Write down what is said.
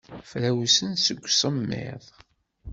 Frawsen seg usemmiḍ.